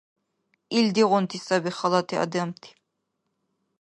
Илдигъунти саби халати адамти.